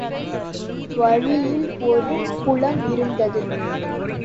வழியில் ஒரு குளம் இருந்தது.